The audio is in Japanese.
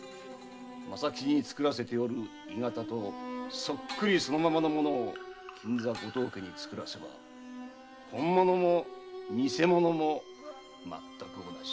政吉に作らせておる鋳型とそっくりそのままの物を金座・後藤家に作らせれば本物も偽物もまったく同じ。